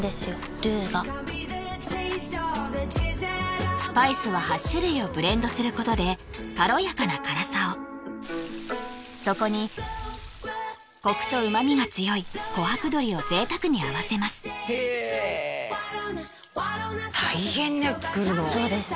ルーがスパイスは８種類をブレンドすることで軽やかな辛さをそこにコクと旨味が強い古白鶏を贅沢に合わせますへえ大変ね作るのそうです